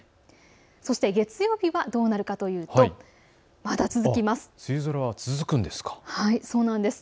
そして月曜日はどうなるかというと、まだ続きます。